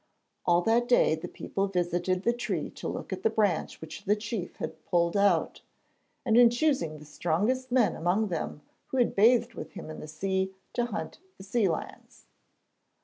All that day the people visited the tree to look at the branch which the chief had pulled out, and in choosing the strongest men among them who had bathed with him in the sea, to hunt the sea lions.